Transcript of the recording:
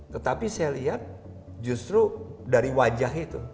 tetapi saya lihat justru dari wajah itu